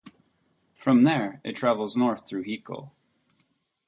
From there, it travels north through Hiko.